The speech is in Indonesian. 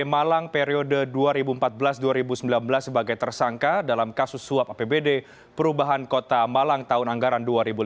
malang periode dua ribu empat belas dua ribu sembilan belas sebagai tersangka dalam kasus suap apbd perubahan kota malang tahun anggaran dua ribu lima belas